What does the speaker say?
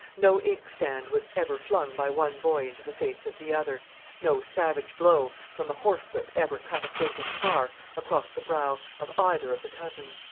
No inkstand was ever flung by one boy into the face of the other; no savage blow from a horsewhip ever cut a fatal scar across the brow of either of the cousins.